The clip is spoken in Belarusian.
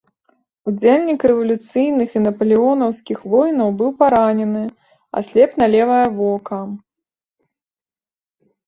Удзельнік рэвалюцыйных і напалеонаўскіх войнаў, быў паранены, аслеп на левае вока.